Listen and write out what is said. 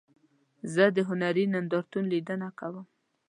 زه د هنري نندارتون لیدنه کوم.